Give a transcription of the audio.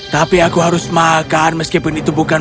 tapi aku harus makan meskipun itu bukan